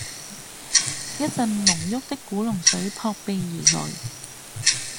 一陣濃郁的古龍水撲鼻而來